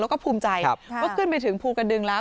แล้วก็ภูมิใจว่าขึ้นไปถึงภูกระดึงแล้ว